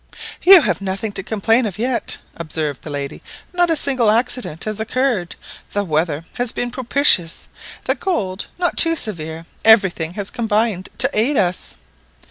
"You have nothing to complain of yet," observed the lady. "Not a single accident has occurred, the weather has been propitious, the cold not too severe everything has combined to aid us."